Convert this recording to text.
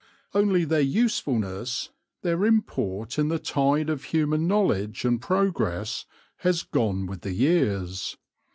Only their usefulness, their import in the tide of human know ledge and progress, has gone with the years.